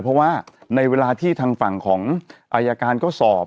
เพราะว่าในเวลาที่ทางฝั่งของอายการก็สอบ